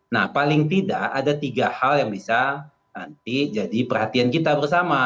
nah paling tidak ada tiga hal yang bisa nanti jadi perhatian kita bersama